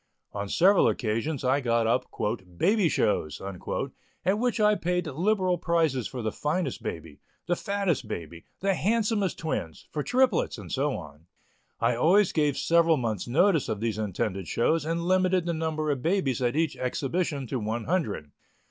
On several occasions I got up "Baby shows," at which I paid liberal prizes for the finest baby, the fattest baby, the handsomest twins, for triplets, and so on. I always gave several months' notice of these intended shows and limited the number of babies at each exhibition to one hundred.